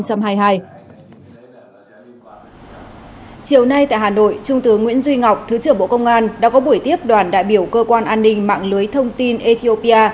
chiều nay tại hà nội trung tướng nguyễn duy ngọc thứ trưởng bộ công an đã có buổi tiếp đoàn đại biểu cơ quan an ninh mạng lưới thông tin ethiopia